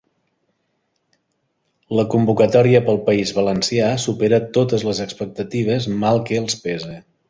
La Convocatòria pel País Valencià supera totes les expectatives, mal que els pese.